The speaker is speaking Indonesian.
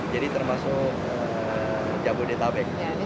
jadi termasuk jabodetabek